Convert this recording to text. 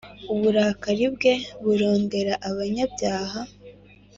uburakari bwe burondera abanyabyaha